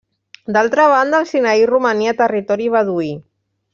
D'altra banda el Sinaí romania territori beduí.